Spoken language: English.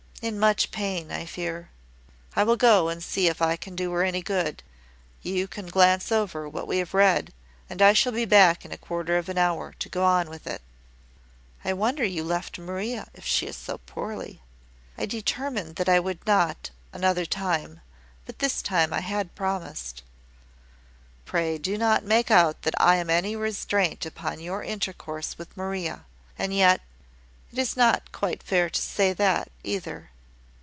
"In much pain, I fear." "I will go and see if I can do her any good. You can glance over what we have read, and I shall be back in a quarter of an hour, to go on with it." "I wonder you left Maria, if she is so poorly." "I determined that I would not, another time; but this time I had promised." "Pray, do not make out that I am any restraint upon your intercourse with Maria. And yet it is not quite fair to say that, either."